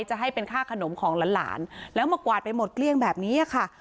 จะให้เป็นค่าขนมของหลานแล้วมากวาดไปหมดเกลี้ยงแบบนี้ค่ะ